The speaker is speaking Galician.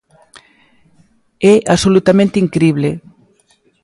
¡É absolutamente incrible!